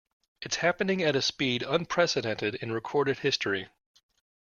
It's happening at a speed unprecedented in recorded history.